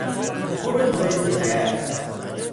برو جای دیگر.